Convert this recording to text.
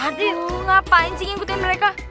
aduh ngapain sih ngikutin mereka